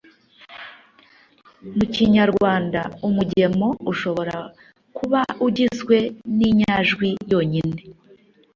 Mu kinyarwanda, umugemo ushobora kuba ugizwe n’inyajwi yonyine,